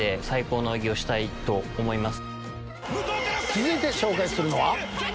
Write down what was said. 続いて紹介するのは。